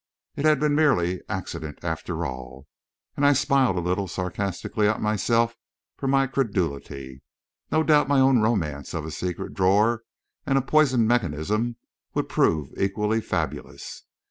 It had been merely accident, after all. And I smiled a little sarcastically at myself for my credulity. No doubt my own romance of a secret drawer and a poisoned mechanism would prove equally fabulous.